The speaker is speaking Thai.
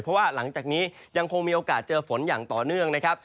เพราะว่าหลังจากนี้ยังคงมีโอกาสเจอฝนอย่างต่อเนื่องนะครับ